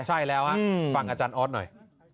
ใช่แล้วฟังอาจารย์ออสหน่อย